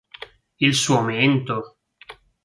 Il suo mento?